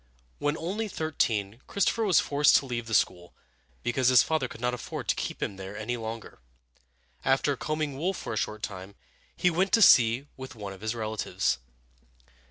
When only thirteen, Christopher was forced to leave school, because his father could not afford to keep him there any longer. After combing wool for a short time, he went to sea with one of his relatives.